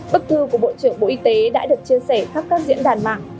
bức thư của bộ trưởng bộ y tế đã được chia sẻ khắp các diễn đàn mạng